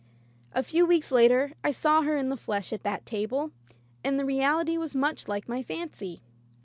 A few weeks later I saw her in the flesh at that table, and the reality was much like my fancy.